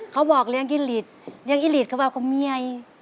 เขาบอกเลี้ยงอิลิตเลี้ยงอีลิตเขาบอกเขาเมีย